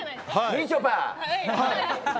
みちょぱ。